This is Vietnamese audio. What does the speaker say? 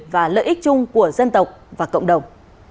và lợi ích chung của dân tộc và cộng đồng